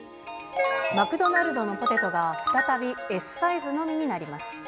マクドナルドのポテトが、再びＳサイズのみになります。